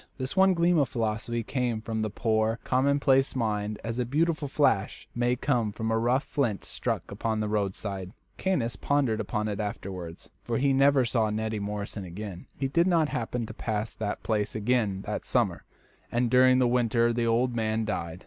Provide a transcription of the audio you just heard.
This one gleam of philosophy came from the poor, commonplace mind as a beautiful flash may come from a rough flint struck upon the roadside. Caius pondered upon it afterwards, for he never saw Neddy Morrison again. He did not happen to pass that place again that summer, and during the winter the old man died.